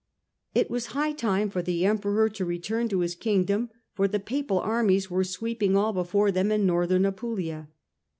It was high time for the Emperor to return to his Kingdom, for the Papal armies were sweeping all before them in Northern Apulia.